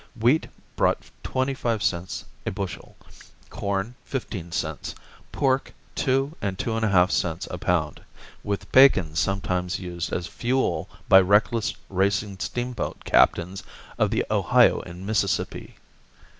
Wheat brought twenty five cents a bushel; corn, fifteen cents; pork, two and two and a half cents a pound, with bacon sometimes used as fuel by reckless, racing steamboat captains of the Ohio and Mississippi.